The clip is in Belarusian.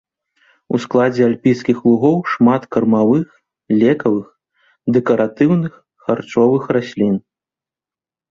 У складзе альпійскіх лугоў шмат кармавых, лекавых, дэкаратыўных, харчовых раслін.